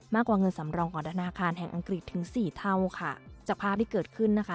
มากกว่าเงินสำรองของธนาคารแห่งอังกฤษถึงสี่เท่าค่ะจากภาพที่เกิดขึ้นนะคะ